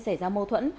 xảy ra mâu thuẫn